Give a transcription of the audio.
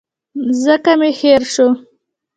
ځکه مي هېر شو .